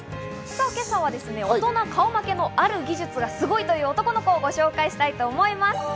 今朝は大人顔負けのある技術がすごい男の子をご紹介します。